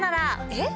えっ？